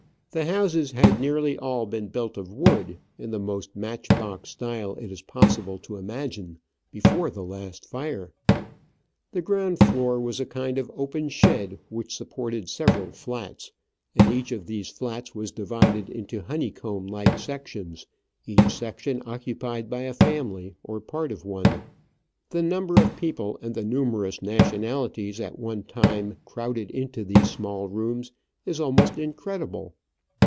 The houses had nearly all been built of wood, in the most match box style it is possible to imagine, before the last fire. The orround floor was a kind of IRON SAFE LEFT AFTER THE FIRE IN COLON. open shed which supported several flats, and each of these flats was divided into honeycomb like sections, each section occupied by a family or part of one. The number of people and the numerous nationalities at one time crowded into these small rooms is almost in credible.